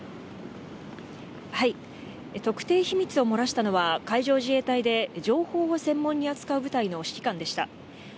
特定秘密をもらしたのは、海上自衛隊で情報を専門に扱う部隊の指揮官でした。